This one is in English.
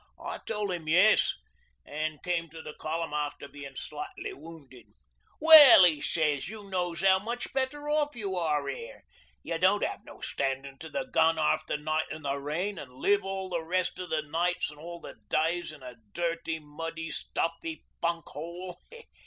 'I tole 'im yes an' came to the Column after bein' slightly wounded. '"Well," 'e sez, "you knows 'ow much better off you are 'ere. You don't 'ave no standin' to the gun 'arf the night in the rain, an' live all the rest o' the nights an' all the days in a dirty, muddy, stuffy funk 'ole.